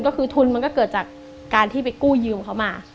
ก็คือทุนมันก็เกิดจากการที่ไปกู้ยืมเขามา